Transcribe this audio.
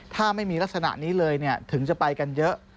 ถ้าไม่มีลักษณะนี้เลยถึงจะไปกันเยอะ